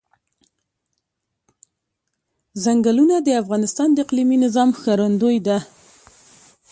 چنګلونه د افغانستان د اقلیمي نظام ښکارندوی ده.